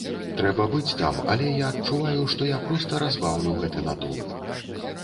Трэба быць там, але я адчуваю, што я проста разбаўлю гэты натоўп.